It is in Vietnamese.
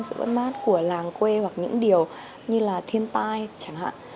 sự mất mát của làng quê hoặc những điều như là thiên tai chẳng hạn